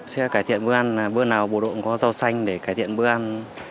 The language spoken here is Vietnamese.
sẽ cải thiện bữa ăn bữa nào bộ đội cũng có rau xanh để cải thiện bữa ăn